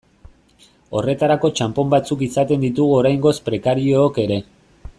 Horretarako txanpon batzuk izaten ditugu oraingoz prekariook ere.